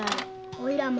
おいらも。